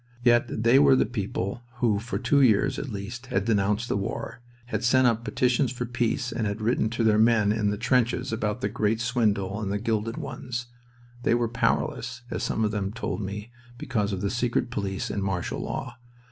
Yet they were the people who for two years at least had denounced the war, had sent up petitions for peace, and had written to their men in the trenches about the Great Swindle and the Gilded Ones. They were powerless, as some of them told me, because of the secret police and martial law.